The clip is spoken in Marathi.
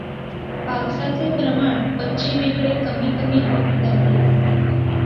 पावसाचे प्रमाण पश्चिमेकडे कमी कमी होत जाते.